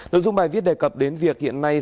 nội dung bài viết đề cập đến việc hiện nay